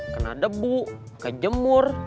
kena debu kejemur